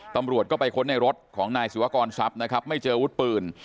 ตำรวจก็ไปค้นในรถของนายศิวากรทรัพย์นะครับไม่เจอวุฒิปืน